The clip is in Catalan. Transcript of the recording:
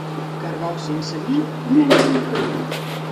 Caragols sense vi, no els vull per a mi.